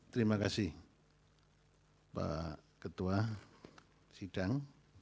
terima kasih pak ketua sidang